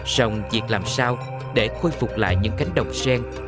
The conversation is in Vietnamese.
sông việc làm sao để khôi phục lại những cánh đồng sen